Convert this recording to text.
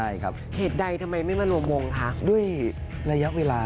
อย่างเงา